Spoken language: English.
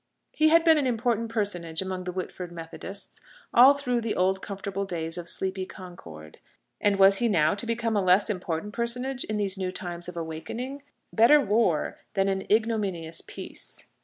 He had been an important personage among the Whitford Methodists, all through the old comfortable days of sleepy concord. And was he now to become a less important personage in these new times of "awakening?" Better war than an ignominious peace!